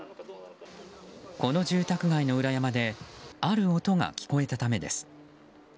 この住宅街の裏山である音が聞こえたためです。